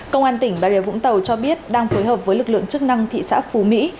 công an tỉnh bà rịa vũng tàu cho biết đang phối hợp với lực lượng chức năng thị xã phú mỹ